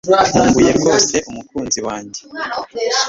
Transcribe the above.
Nkumbuye rwose umukunzi wanjye